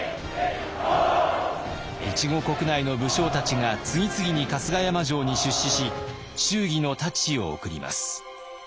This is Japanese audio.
越後国内の武将たちが次々に春日山城に出仕し祝儀の太刀を贈ります。